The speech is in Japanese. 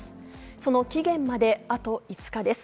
その期限まであと５日です。